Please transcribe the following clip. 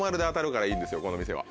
この店は。